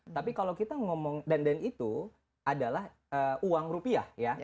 tapi kalau kita ngomong dan itu adalah uang rupiah ya